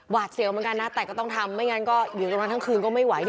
เสียวเหมือนกันนะแต่ก็ต้องทำไม่งั้นก็อยู่ตรงนั้นทั้งคืนก็ไม่ไหว